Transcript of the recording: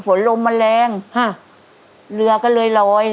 โหลมแมลงฮะเรือก็เลยร้อย